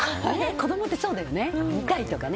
子供ってそうだよね。